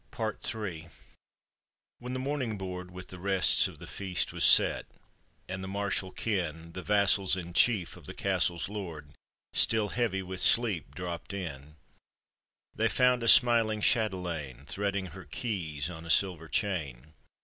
PART III. When the morning board with the rests of the feast Was set, and the martial kin — The vassals in chief of the castle's lord — Still heavy with sleep dropped in, They found a smiling chatelaine Threading her keys on a silver chain.